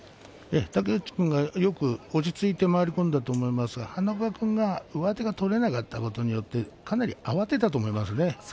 竹内君はよく落ち着いて回り込んだと思いますが花岡君が上手が取れなかったことによってかなり慌てたと思います。